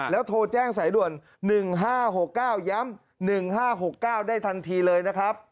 แล้วโทรแจ้งสายด่วน๑๕๖๙ย้ำ๑๕๖๙ได้ทันทีเลยนะครับ